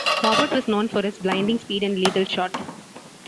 Robert was known for his "blinding speed and lethal shot".